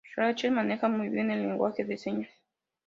Rachel maneja muy bien el lenguaje de señas.